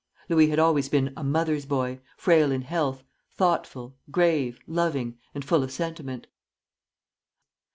Louis had always been a "mother's boy," frail in health, thoughtful, grave, loving, and full of sentiment.